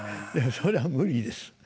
それは無理です。